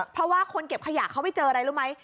เพราะว่าคนเก็บขยะเขาไปเจออะไรรู้ไหม